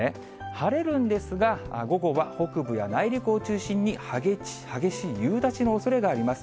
晴れるんですが、午後は北部や内陸を中心に、激しい夕立のおそれがあります。